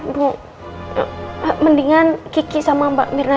ibu mendingan kiki sama mbak mirna aja ya